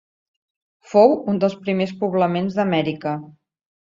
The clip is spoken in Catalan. Fou un dels primers poblaments d'Amèrica.